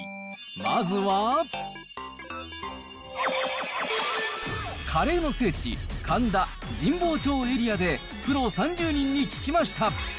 まずは、カレーの聖地、神田、神保町エリアでプロ３０人に聞きました。